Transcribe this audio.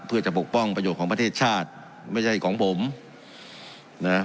เพื่อจะปกป้องประโยชน์ของประเทศชาติไม่ใช่ของผมนะ